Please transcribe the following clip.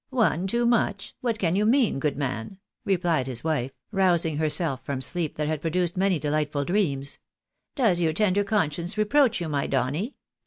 " Won too much ? What can you mean, good man ?" replied his wife, rousing herself from sleep that had produced many de lightful dreams. " Does your tender conscience reproach you, my Donny